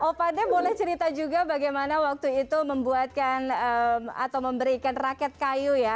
opande boleh cerita juga bagaimana waktu itu membuatkan atau memberikan rakyat tersebut